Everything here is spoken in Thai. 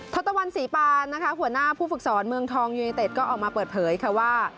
ทศตวรรณศรีปานนะคะหัวหน้าผู้ฝึกสอนเมืองทองยูเนเต็ดก็ออกมาเปิดเผยค่ะว่า